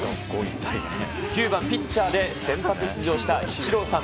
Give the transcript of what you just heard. ９番ピッチャーで先発出場したイチローさん。